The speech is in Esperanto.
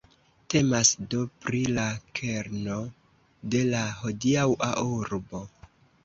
Temas do pri la kerno de la hodiaŭa urbo.